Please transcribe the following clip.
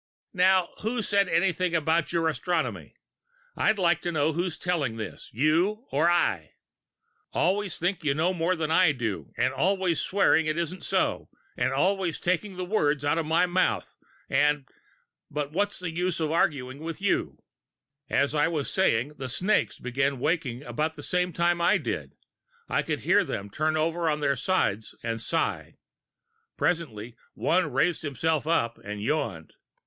"Now, who said anything about your astronomy? I'd like to know who is telling this you or I? Always think you know more than I do and always swearing it isn't so and always taking the words out of my mouth, and but what's the use of arguing with you? As I was saying, the snakes began waking about the same time I did; I could hear them turn over on their other sides and sigh. Presently one raised himself up and yawned.